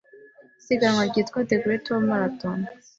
isiganwa ryitwa The Great Wall Marathon